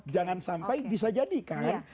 jangan sampai bisa jadi kan